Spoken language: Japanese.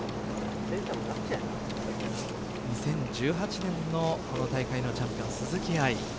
２０１８年のこの大会のチャンピオン鈴木愛。